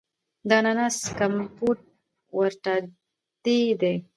د اناناس کمپوټ وارداتی دی.